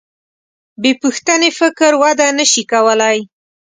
بېپوښتنې فکر وده نهشي کولی.